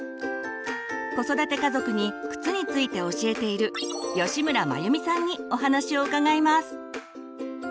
子育て家族に靴について教えている吉村眞由美さんにお話を伺います。